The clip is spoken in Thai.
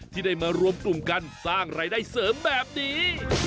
ที่ได้มารวมกลุ่มกันสร้างรายได้เสริมแบบนี้